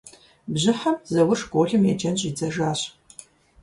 Бжьыхьэм Зэур школым еджэн щӀидзэжащ.